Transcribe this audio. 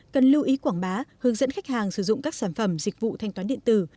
cần lưu ý quảng bá hướng dẫn khách hàng sử dụng các sản phẩm dịch vụ thanh toán điện tử